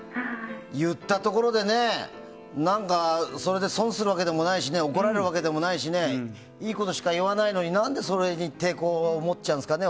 言ったところで、何かそれで損するわけでもないし怒られるわけでもないしねいいことしか言わないのに何でそれに抵抗を持っちゃうんですかね